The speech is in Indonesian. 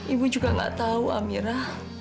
ibu juga gak tahu amira